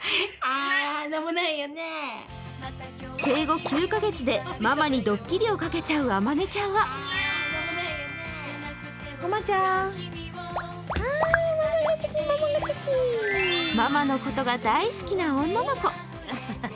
生後９カ月でママにドッキリをかけちゃうあまねちゃんはママのことが大好きな女の子。